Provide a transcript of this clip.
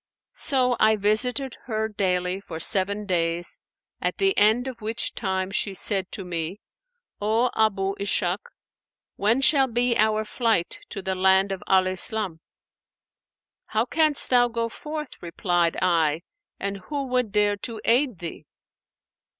So I visited her daily for seven days, at the end of which time she said to me, 'O Abu Ishak, when shall be our flight to the land of Al Islam?' 'How canst thou go forth,' replied I, 'and who would dare to aid thee?'